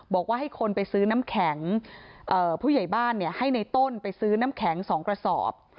บอกว่าให้คนไปซื้อน้ำแข็งผู้ใหญ่บ้านให้ในต้นไปซื้อน้ำแข็ง๒กระสอบ